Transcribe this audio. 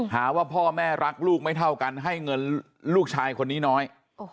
หาว่าพ่อแม่รักลูกไม่เท่ากันให้เงินลูกชายคนนี้น้อย